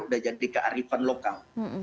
sudah jadi kearifan lokal